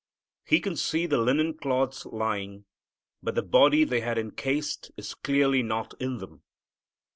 He can see the linen cloths lying; but the body they had encased is clearly not in them.